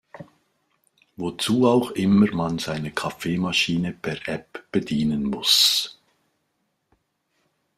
Wozu auch immer man seine Kaffeemaschine per App bedienen muss.